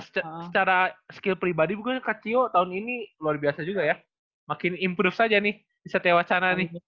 secara skill pribadi mungkin kak cio tahun ini luar biasa juga ya makin improve aja nih di setiawacana nih